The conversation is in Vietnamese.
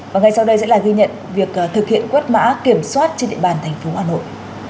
và ngay sau đây sẽ là ghi nhận việc thực hiện quét mã kiểm soát trên địa bàn thành phố hà nội